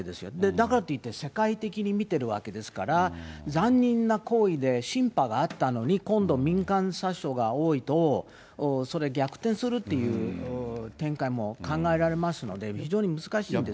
だからといって、世界的に見てるわけですから、残忍な行為で、シンパがあったのに、今度民間殺傷が多いと、それ逆転するという展開も考えられますので、非常に難しいんです